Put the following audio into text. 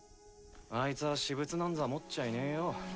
あいつは私物なんざ持っちゃいねぇよ。